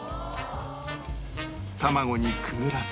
卵にくぐらせ